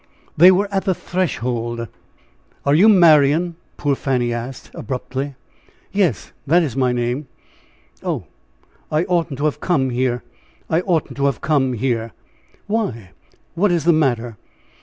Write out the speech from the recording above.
They were at the threshold. "Are you Marian?" poor Fanny asked, abruptly. "Yes, that is my name." "Oh, I oughtn't to have come here! I oughtn't to have come here!" "Why? What is the matter?